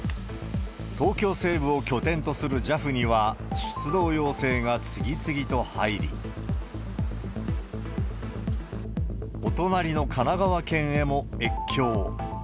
東京西部を拠点とするＪＡＦには、出動要請が次々と入り、お隣の神奈川県へも越境。